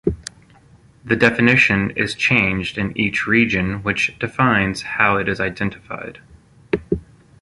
The definition is changed in each region which defines how it is identified.